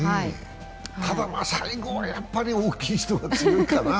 ただ、最後はやっぱり大きい人が強いかな。